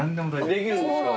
あっできるんですか。